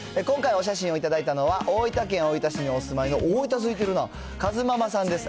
今回お写真を頂いたのは、大分県大分市にお住いの、大分続いてるな、カズママさんです。